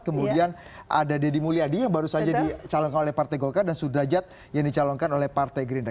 kemudian ada deddy mulyadi yang baru saja dicalonkan oleh partai golkar dan sudrajat yang dicalonkan oleh partai gerindra